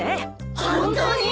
ホントに！？